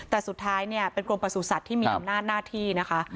แต่สุดท้ายเนี่ยเป็นกรมประสุทธิ์ที่มีอำนาจหน้าที่นะคะ